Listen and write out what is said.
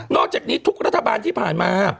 อกจากนี้ทุกรัฐบาลที่ผ่านมา